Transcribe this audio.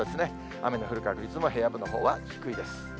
雨の降る確率も、平野部のほうは低いです。